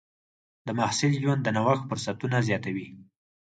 د محصل ژوند د نوښت فرصتونه زیاتوي.